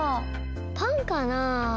パンかなあ？